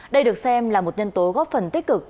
đây được xem là một nhân tố góp phần tích cực